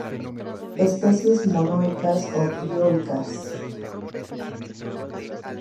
Especies monoicas o dioicas.